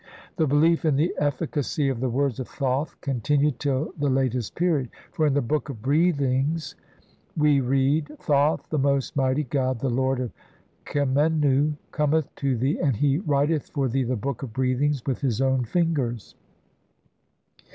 The belief in the efficacy of the words of Thoth continu ed till the latest period, for in the Book of Breathings (see p. CXCVII) we read, "Thoth, the most mighty god, "the lord of Khemennu, cometh to thee, and he writeth "for thee the Book of Breathings with his own fingers".